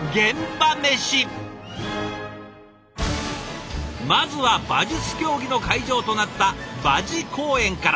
というわけでまずは馬術競技の会場となった馬事公苑から。